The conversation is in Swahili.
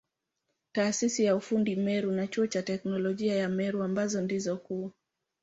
Taasisi ya ufundi Meru na Chuo cha Teknolojia ya Meru ambazo ndizo kuu.